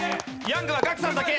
ヤングはガクさんだけ！